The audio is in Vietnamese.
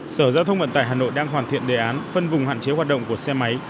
sở giao thông vận tải hà nội đang hoàn thiện đề án phân vùng hạn chế hoạt động của xe máy